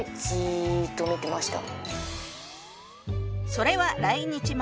それは来日前。